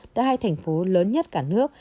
tại hai thành phố lớn nhất cả nước